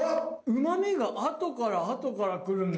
うまみが後から後からくるんで。